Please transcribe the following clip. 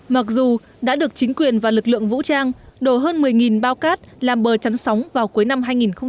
mặc dù đã được chính quyền và lực lượng vũ trang đổ hơn một mươi bao cát làm bờ chắn sóng vào cuối năm hai nghìn một mươi chín